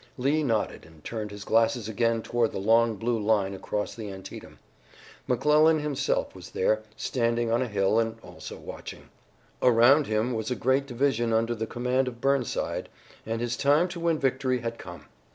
Lee nodded and turned his glasses again toward the long blue line across the Antietam. McClellan himself was there, standing on a hill and also watching. Around him was a great division under the command of Burnside, and his time to win victory had come.